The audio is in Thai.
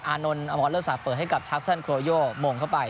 อานนท์อำราศาสตร์เปิดให้กับชัพซันโคโรโยมงเข้าไป